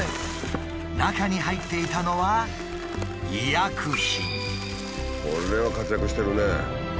中に入っていたのはこれは活躍してるね。